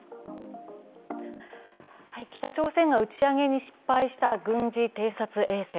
北朝鮮が打ち上げに失敗した軍事偵察衛星。